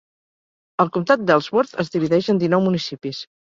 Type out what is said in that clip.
El comtat d'Ellsworth es divideix en dinou municipis.